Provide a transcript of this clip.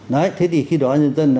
đấy thế thì khi đó nhân dân